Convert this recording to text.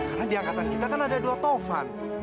karena di angkatan kita kan ada dua taufan